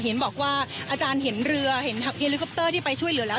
เห็นบอกว่าอาจารย์เห็นเรือเห็นเฮลิคอปเตอร์ที่ไปช่วยเหลือแล้ว